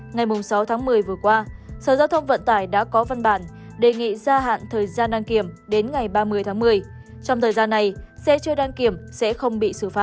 ngày sáu tháng một mươi vừa qua sở giao thông vận tải đã có văn bản đề nghị gia hạn thời gian đăng kiểm đến ngày ba mươi tháng một mươi